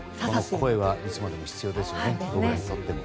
この声はいつまでも必要ですよね。